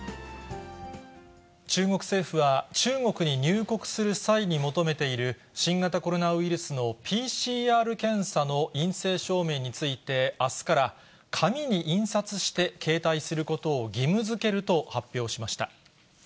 中国政府は、中国に入国する際に求めている新型コロナウイルスのＰＣＲ検査の陰性証明について、あすから、紙に印刷して携帯することを義務づけると発表しました。